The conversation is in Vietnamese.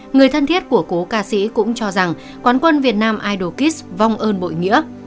người thân thiết của cố ca sĩ cũng cho rằng quán quân việt nam idoqis vong ơn bội nghĩa